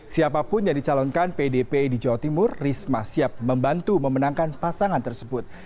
siapapun yang dicalonkan pdpi di jawa timur risma siap membantu memenangkan pasangan tersebut